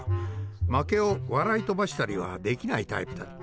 負けを笑い飛ばしたりはできないタイプだった。